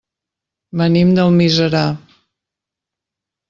Venim d'Almiserà.